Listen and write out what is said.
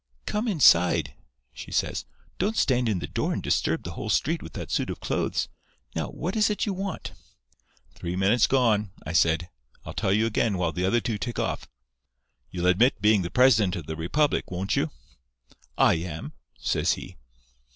"'Come inside,' she says. 'Don't stand in the door and disturb the whole street with that suit of clothes. Now, what is it you want?' "'Three minutes gone,' I said. 'I'll tell you again while the other two tick off. "'You'll admit being the president of the Republic, won't you?' "'I am,' says he.